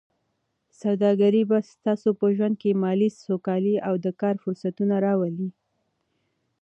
سوداګري به ستاسو په ژوند کې مالي سوکالي او د کار فرصتونه راولي.